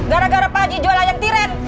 gara gara pak haji jualan ayam tiren